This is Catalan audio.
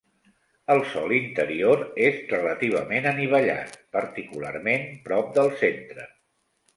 El sòl interior és relativament anivellat, particularment prop del centre.